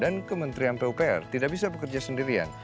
dan kementerian pupr tidak bisa bekerja sendirian